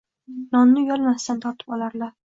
Nonni uyalmasdan tortib olarlar